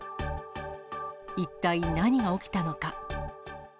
一体何が起きたのか。